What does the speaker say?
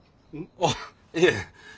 あっいえ。